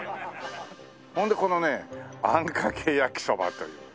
ほんでこのね「あんかけ焼そば」というね。